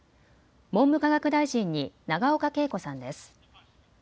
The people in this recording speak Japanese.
文部科学大臣に永岡桂子さんです。